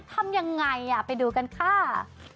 ทำอย่างไงอ่ะไปดูกันค่ะ